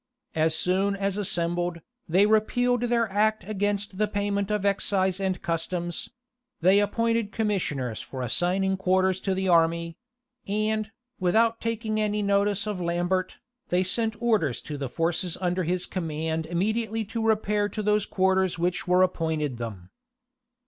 As soon as assembled, they repealed their act against the payment of excise and customs; they appointed commissioners for assigning quarters to the army; and, without taking any notice of Lambert, they sent orders to the forces under his command immediately to repair to those quarters which were appointed them.